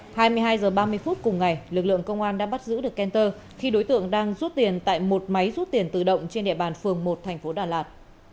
hai mươi hai h ba mươi phút cùng ngày lực lượng công an đã bắt giữ được kenter khi đối tượng đang rút tiền tại một máy rút tiền tự động trên địa bàn phường một thành phố đà lạt